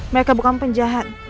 mereka bukan penjahat